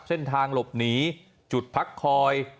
เส้นทางหลบหนีจุดพักคอย